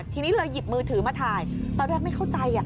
ทีนี้เลยหยิบมือถือมาถ่ายตอนแรกไม่เข้าใจ